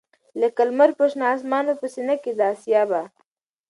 لکه لــــمــر پر شــــنه آســــمـــان په ســــینـه کـــي د آســــــــــیا به